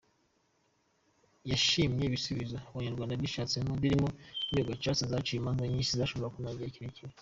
Yashimye ibisubizo Abanyarwanda bishatsemo birimo Inkiko Gacaca zaciye imanza nyinshi zashoboraga kumara igihe kirekire.